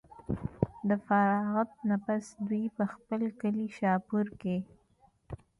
د فراغت نه پس دوي پۀ خپل کلي شاهپور کښې